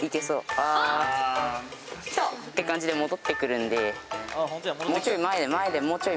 あきた！って感じで戻ってくるんで。